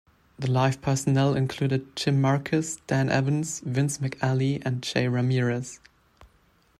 The live personnel included Jim Marcus, Dan Evans, Vince McAley, and Jay Ramirez.